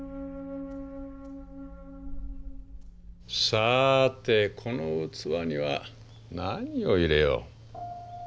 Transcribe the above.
さてこの器には何を入れよう。